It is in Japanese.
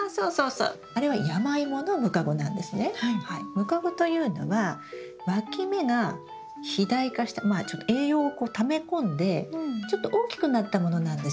ムカゴというのはわき芽が肥大化した栄養をため込んでちょっと大きくなったものなんですよ。